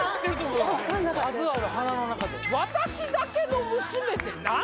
「私だけの娘」って何なん？